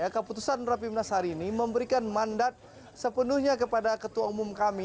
keputusan rapimnas hari ini memberikan mandat sepenuhnya kepada ketua umum kami